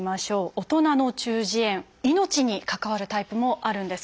大人の中耳炎命に関わるタイプもあるんです。